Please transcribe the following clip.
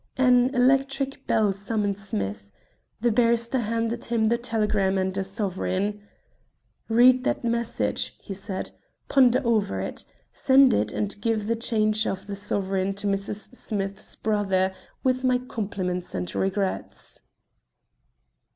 An electric bell summoned Smith. The barrister handed him the telegram and a sovereign. "Read that message," he said. "Ponder over it. Send it, and give the change of the sovereign to Mrs. Smith's brother, with my compliments and regrets."